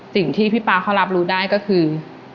สิ่งที่พี่ป๊าเขารับรู้ได้ก็คือ